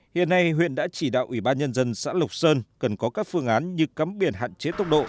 hiện nay huyện đã chỉ đạo ủy ban nhân dân xã lộc sơn cần có các phương án như cắm biển hạn chế tốc độ